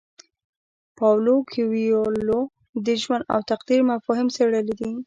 پاولو کویلیو د ژوند او تقدیر مفاهیم څیړلي دي.